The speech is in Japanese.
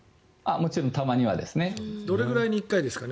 もちろんたまにはですね。